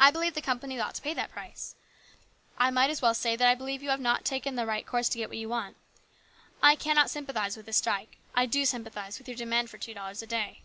I believe the companies ought to pay that price. I might as well say that I do not believe you 5(5 have taken the right course to get what you want. I cannot sympathise with this strike. I do sympathise with your demand for two dollars a day."